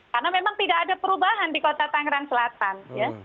karena memang tidak ada perubahan di kota tangerang selatan